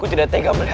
untuk memohon maaf